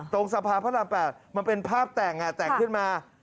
ตรงสะพานพระราม๘มันเป็นภาพแต่งแต่งขึ้นมา